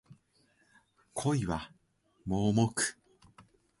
恋は盲目